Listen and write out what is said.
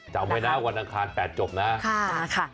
จำไว้นะวันอังคาร๘จบนะ